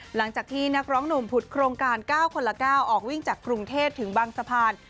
หลังจากที่นักร้องหนุ่มผุดโครงการ๙คนละ๙ออกวิ่งจากกรุงเทพถึงบางสะพาน